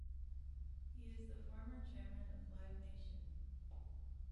He is the former Chairman of Live Nation.